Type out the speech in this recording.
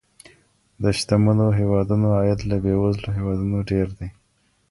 د شتمنو هیوادونو عاید له بېوزلو هیوادونو ډیر دی.